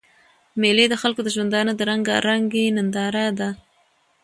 مېلې د خلکو د ژوندانه د رنګارنګۍ ننداره ده.